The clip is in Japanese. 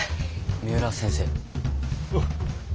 三浦先生。